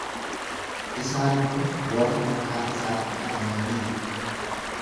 Isaan kun warra maqaa isaatti amananii dha.